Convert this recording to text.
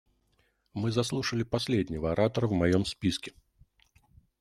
Мы заслушали последнего оратора в моем списке.